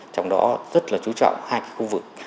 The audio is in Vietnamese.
trong đó rất là chú trọng hai khu vực